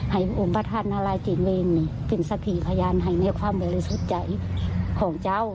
ให้องค์พระธาตุนารายติเวรนี่เป็นสถีพยานให้ในความบริสุทธิ์ใจของเจ้า